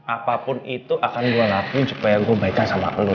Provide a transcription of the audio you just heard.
apapun itu akan gue lakuin supaya gue baca sama lo